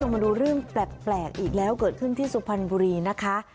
มาดูเรื่องแปลกอีกแล้วเกิดขึ้นที่สุพรรณบุรีนะคะ